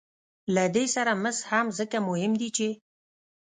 له دې سره مس هم ځکه مهم دي چې